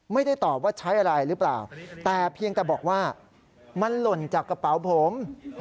ไม่ได้ตอบว่าใช้อะไรหรือเปล่าแต่เพียงแต่บอกว่ามันหล่นจากกระเป๋าผม